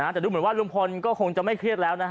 แต่ดูเหมือนว่าลุงพลก็คงจะไม่เครียดแล้วนะฮะ